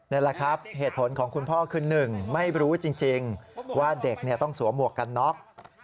นี่แหละครับเหตุผลของคุณพ่อคือ๑ไม่รู้จริงว่าเด็กต้องสวมหมวกกันน็อก